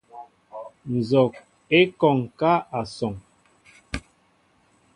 Nzog e kɔŋ ká assoŋ.